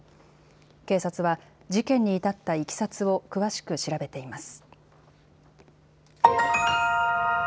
警察は事件に至ったいきさつを詳しく調べています。